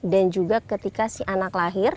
dan juga ketika si anak lahir